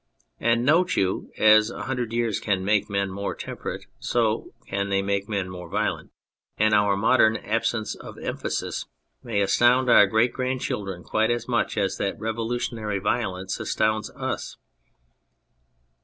And note you, as a hundred years can make men more temperate, so they can make men more violent, and our modern absence of emphasis may astound our great grandchildren quite as much as that revolu tionary violence astounds us.